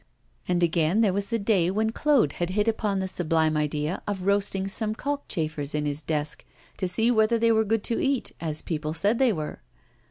And again there was the day when Claude had hit upon the sublime idea of roasting some cockchafers in his desk to see whether they were good to eat, as people said they were.